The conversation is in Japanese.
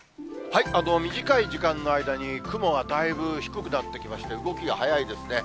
短い時間の間に雲がだいぶ低くなってきまして、動きが速いですね。